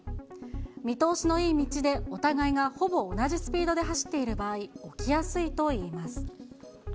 見通しのいい道でお互いがほぼ同じスピードで走っている場合、起きやすいといいます。